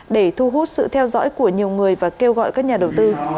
để thu hút sự theo dõi của nhiều người và kêu gọi các nhà đầu tư